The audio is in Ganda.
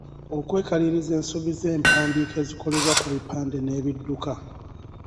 Okwekaliriza ensobi z’empandiika ezikolebwa ku bipande n’ebidduka.